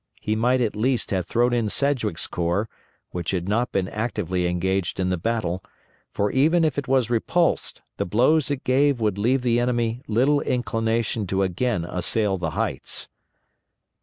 He might at least have thrown in Sedgwick's corps, which had not been actively engaged in the battle, for even if it was repulsed the blows it gave would leave the enemy little inclination to again assail the heights.